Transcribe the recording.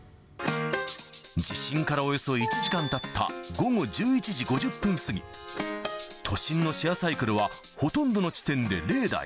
地震からおよそ１時間たった午後１１時５０分過ぎ、都心のシェアサイクルは、ほとんどの地点で０台。